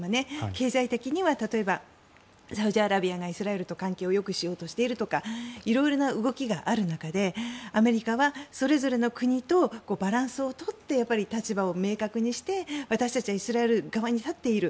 経済的には例えばサウジアラビアがイスラエルと関係をよくしようとしているとか色々な動きがある中でアメリカはそれぞれの国とバランスを取って立場を明確にして私たちはイスラエル側に立っている。